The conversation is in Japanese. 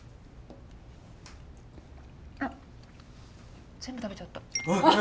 あっ全部食べちゃった。